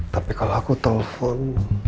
tapi kalau aku telepon